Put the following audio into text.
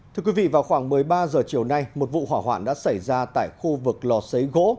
thưa quý vị vào khoảng một mươi ba h chiều nay một vụ hỏa hoạn đã xảy ra tại khu vực lò xấy gỗ